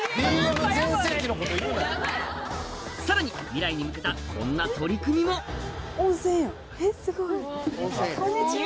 さらに未来に向けたこんな取り組みもこんにちは。